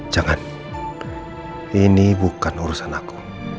jangan ini bukan urusan aku